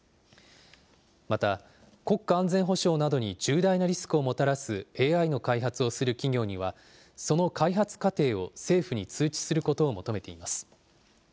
また国家安全保障などに重大なリスクをもたらすＡＩの開発をする企業には、その開発過程を政府に通知することを求めています。